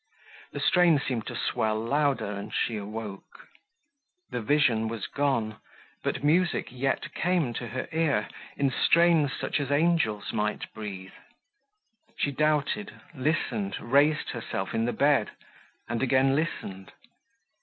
The strain seemed to swell louder, and she awoke. The vision was gone, but music yet came to her ear in strains such as angels might breathe. She doubted, listened, raised herself in the bed, and again listened.